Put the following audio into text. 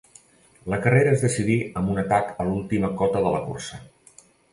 La carrera es decidí amb un atac a l'última cota de la cursa.